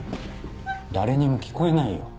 誰にも聞こえないよ。